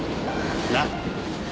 なっ